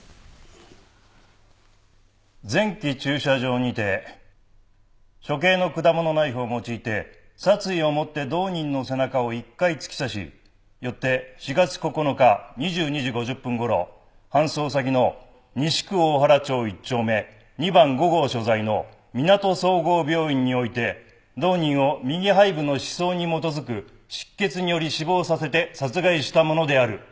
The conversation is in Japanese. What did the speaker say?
前記駐車場にて所携の果物ナイフを用いて殺意をもって同人の背中を１回突き刺しよって４月９日２２時５０分頃搬送先の西区大原町１丁目２番５号所在のみなと総合病院において同人を右背部の刺創に基づく失血により死亡させて殺害したものである。